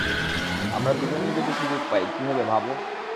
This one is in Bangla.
আমরা দুইজনেই যদি সুযোগ পাই, কী হবে, ভাবো?